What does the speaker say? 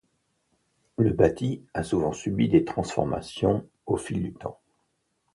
Le bâti a souvent subi des transformations au fil du temps.